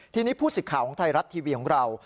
ทีนี้ผู้สิทธิ์ข่าวของไทยรัฐทีวีของเรา